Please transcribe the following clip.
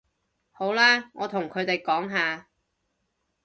好啦，我同佢哋講吓